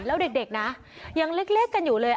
แล้วเด็กนะยังเล็กกันอยู่เลย